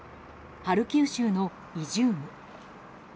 ハルキウ州のイジューム。